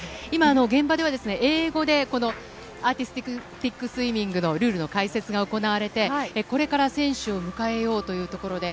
現場では英語でアーティスティックスイミングのルールの解説が行われてこれから選手を向えようというところです。